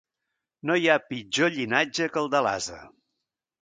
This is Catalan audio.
No hi ha pitjor llinatge que el de l'ase.